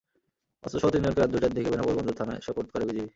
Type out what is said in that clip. অস্ত্রসহ তিনজনকে রাত দুইটার দিকে বেনাপোল বন্দর থানায় সোপর্দ করে বিজিবি।